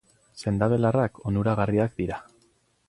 Sendabelarrak onuragarriak dira.